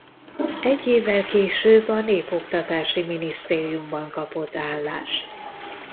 Egy évvel később a Népoktatási Minisztériumban kapott állást.